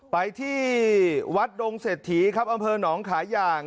ไปที่วัดดงเซฐีอำเภอหนองขายาง